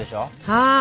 はあ！